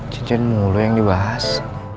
cincin mulu yang dibahas